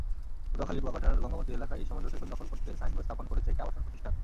পটুয়াখালীর কুয়াকাটার গঙ্গামতী এলাকায় সমুদ্রসৈকত দখল করতে সাইনবোর্ড স্থাপন করেছে একটি আবাসন প্রতিষ্ঠান।